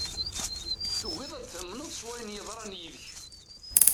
Tugiḍ ad tamneḍ s wayen yeḍran yid-k.